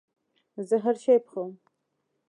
زه هرشی پخوم